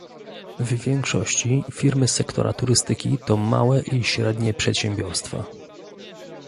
W większości firmy sektora turystyki to małe i średnie przedsiębiorstwa